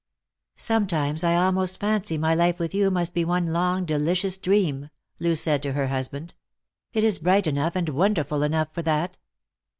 " Sometimes I almost fancy my life with you must be one long delicious dream," Loo said to her husband. " It is bright enough and wonderful enough for that."